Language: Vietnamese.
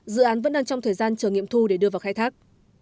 dự án vẫn đang trong thời gian chờ nghiệm thu để đưa vào khai thác